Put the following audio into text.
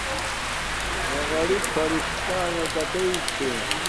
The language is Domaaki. مقرب فرشتݳݣݳ کتݵئ چھݺ؟